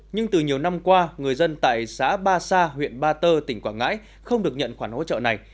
nhưng từ nhiều năm qua người dân tại xã ba sa huyện ba tơ tỉnh quảng ngãi không được nhận khoản hỗ trợ này